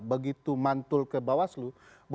begitu mantul ke bawaslu